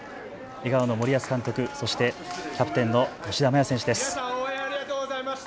笑顔の森保監督、そしてキャプテンの吉田麻也選手です。